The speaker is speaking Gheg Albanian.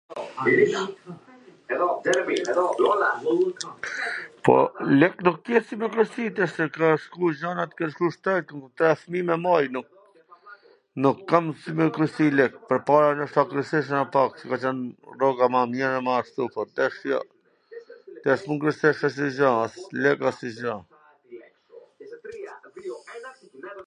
Po, lek nuk mbesin me kursy tash, se kan shku gjanat, kan shku shtrenjt, kam fmi me maj, nuk kam si me kursy lek, pwrpara ndoshta kursejsha nga pak, ka qwn rroga ma e mir e ma ashtu, por tash jo, tash s mund kursesh asnjw gja, as lek asnjw gja.